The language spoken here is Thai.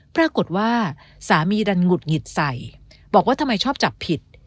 ปรากฏว่าสามีดันหงุดหงิดใส่บอกว่าทำไมชอบจับผิด